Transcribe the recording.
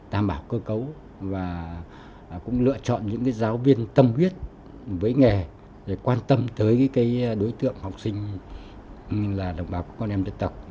đảm bảo cơ cấu và cũng lựa chọn những giáo viên tâm huyết với nghề để quan tâm tới đối tượng học sinh là đồng bào con em dân tộc